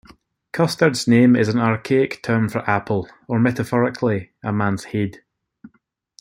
Costard's name is an archaic term for apple, or metaphorically a man's head.